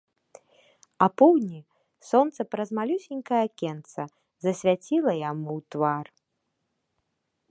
Апоўдні сонца праз малюсенькае акенца засвяціла яму ў твар.